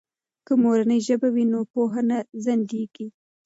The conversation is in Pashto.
که مورنۍ ژبه وي نو پوهه نه ځنډیږي.